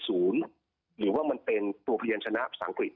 หรือว่ามันเป็นตัวพยานชนะอังกฤษ